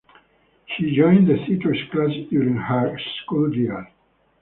She joined the theatre classes during her school years.